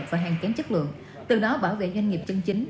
và hàng kém chất lượng từ đó bảo vệ doanh nghiệp chân chính